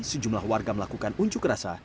sejumlah warga melakukan unjuk rasa